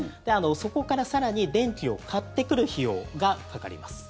そこから更に電気を買ってくる費用がかかります。